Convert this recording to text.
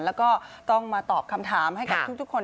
แล้วก็ต้องมาตอบคำถามให้กับทุกคน